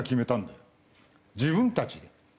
自分たちで。